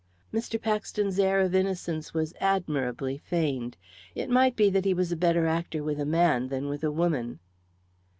Mr. Paxton's air of innocence was admirably feigned. It might be that he was a better actor with a man than with a woman.